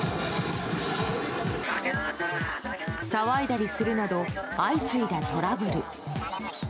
騒いだりするなど相次いだトラブル。